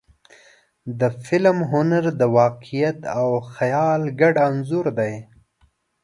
د فلم هنر د واقعیت او خیال ګډ انځور دی.